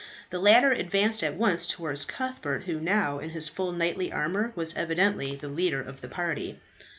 The latter advanced at once towards Cuthbert, who, now in his full knightly armour, was evidently the leader of the party.